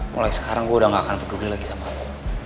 mulai sekarang gue udah gak akan peduli lagi sama aku